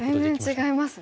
全然違いますね。